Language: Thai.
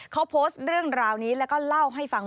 เขาโพสต์เรื่องราวนี้แล้วก็เล่าให้ฟัง